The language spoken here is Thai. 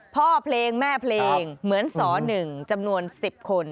พ่อเพลงแม่เพลงเหมือนส๑จำนวน๑๐คน